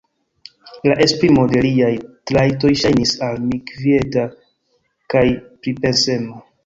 La esprimo de liaj trajtoj ŝajnis al mi kvieta kaj pripensema.